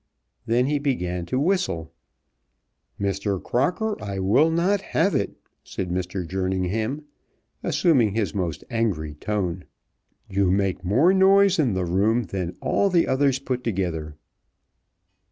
Then he began to whistle. "Mr. Crocker, I will not have it," said Mr. Jerningham, assuming his most angry tone. "You make more noise in the room than all the others put together."